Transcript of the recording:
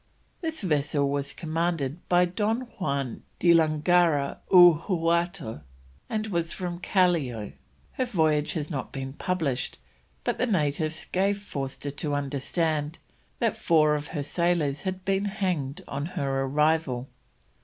This vessel was commanded by Don Juan de Langara y Huarto, and was from Callao; her voyage has not been published, but the natives gave Forster to understand that four of her sailors had been hanged on her arrival.